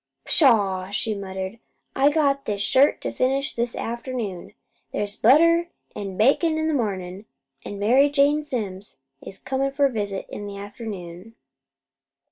"Pshaw!" she muttered, "I got this shirt to finish this afternoon. There's butter an' bakin' in the mornin', an' Mary Jane Simms is comin' for a visit in the afternoon."